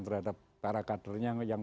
terhadap para kadernya yang